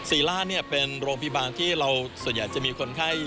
ล่าเนี่ยเป็นโรงพยาบาลที่เราส่วนใหญ่จะมีคนไข้